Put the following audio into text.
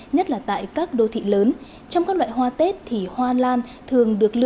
nhất là tại các đô thị lớn trong các loại hoa tết thì hoa lan thường được lựa